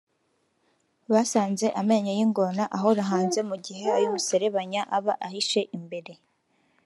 Basanze amenyo y’ingona ahora hanze mu gihe ay’umuserebanya aba ahishe imbere